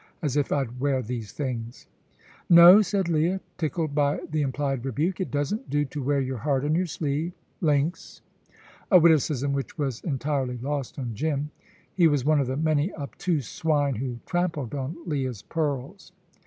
As if I'd wear these things!" "No," said Leah, tickled by the implied rebuke, "it doesn't do to wear your heart on your sleeve links": a witticism which was entirely lost on Jim. He was one of the many obtuse swine who trampled on Leah's pearls.